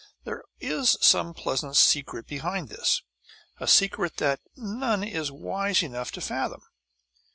There is some pleasant secret behind this, a secret that none is wise enough to fathom.